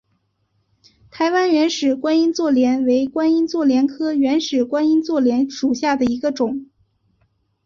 台湾原始观音座莲为观音座莲科原始观音座莲属下的一个种。